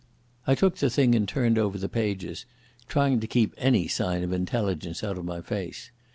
I took the thing and turned over the pages, trying to keep any sign of intelligence out of my face.